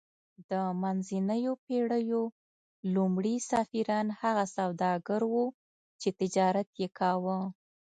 د منځنیو پیړیو لومړي سفیران هغه سوداګر وو چې تجارت یې کاوه